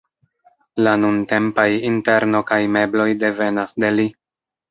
La nuntempaj interno kaj mebloj devenas de li.